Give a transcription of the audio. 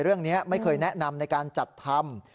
เรื่องนี้ไม่เคยแนะนำในการจัดทำ